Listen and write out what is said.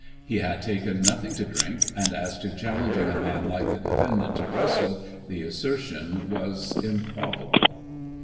He had taken nothing to drink; and, as to challenging a msui like the defendant to wrestle, the assertion was improbable.